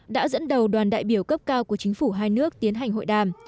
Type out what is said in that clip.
đã dẫn đầu đoàn đại biểu cấp cao của chính phủ hai nước tiến hành hội đàm